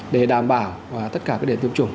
để đảm bảo tất cả các địa tiêm chủng